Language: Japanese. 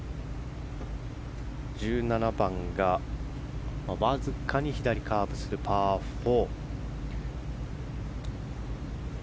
１７番がわずかに左カーブするパー４。